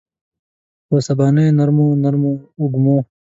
په سبانیو نرمو، نرمو وږمو